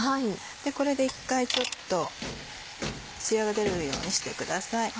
これで一回ちょっとツヤが出るようにしてください。